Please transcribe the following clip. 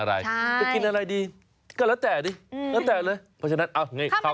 ว่าเผาแบบพาสาวไปนะ